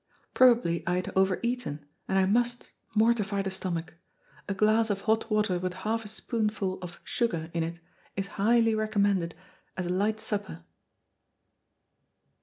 Probably I had over eaten, and I must mortify the stomach. A glass of hot water with half a spoonful of sugar in it is highly recommended as a light supper."